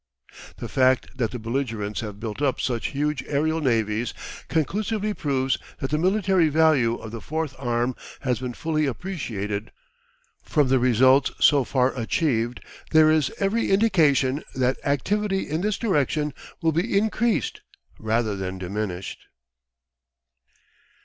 The fact that the belligerents have built up such huge aerial navies conclusively proves that the military value of the Fourth Arm has been fully appreciated. From the results so far achieved there is every indication that activity in this direction will be increased rather than diminished.